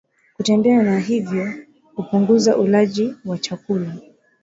kutembea na hivyo kupunguza ulaji wa chakula